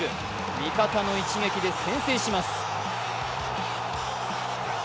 味方の一撃で先制します。